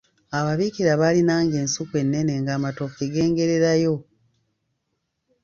Ababiikira baalinanga ensuku ennene ng’amatooke gengererayo.